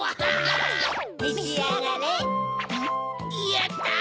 やった！